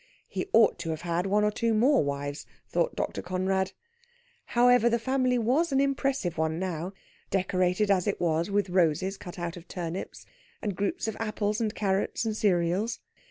He ought to have had one or two more wives, thought Dr. Conrad. However, the family was an impressive one now, decorated as it was with roses cut out of turnips, and groups of apples and carrots and cereals.